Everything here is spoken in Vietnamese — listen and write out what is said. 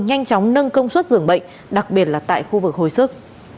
nhanh chóng nâng công suất dường bệnh đặc biệt là tại khu vực hồi sức